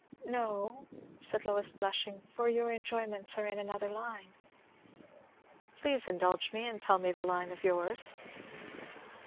"No," said Lois, blushing, "for your enjoyments are in another line." "Please indulge me, and tell me the line of yours."